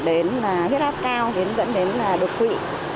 đến là huyết áp cao đến dẫn đến là đột quỵ